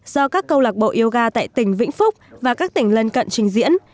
do các câu lạc bộ yoga tại tỉnh vĩnh phúc và các tỉnh lân cận trình diễn